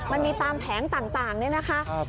มันมีตามแผงต่างนี่นะคะ